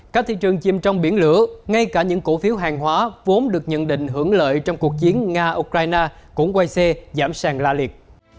các thị trường chìm trong biển lửa ngay cả những cổ phiếu hàng hóa vốn được nhận định hưởng lợi trong cuộc chiến nga ukraine cũng quay s giảm sàng la liệt